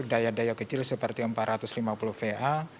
daya daya kecil seperti empat ratus lima puluh va